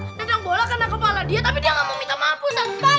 dengan bola kena kepala dia tapi dia gak mau minta maaf ustadz